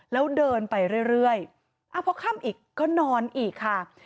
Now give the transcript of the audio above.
แล้วเดินไปเรื่อยพอค่ำอีกก็นอนอีกค่ะ